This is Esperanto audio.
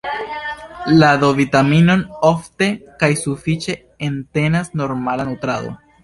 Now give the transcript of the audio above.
La D-vitaminon ofte kaj sufiĉe entenas normala nutrado.